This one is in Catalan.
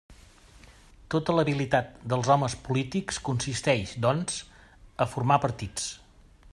Tota l'habilitat dels homes polítics consisteix, doncs, a formar partits.